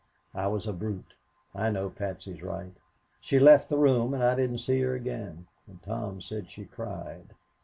I was a brute. I know Patsy is right. She left the room, and I didn't see her again, and Tom said she cried.